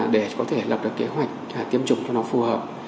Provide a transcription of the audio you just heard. để có thể lập ra kế hoạch tiêm chủng cho nó phù hợp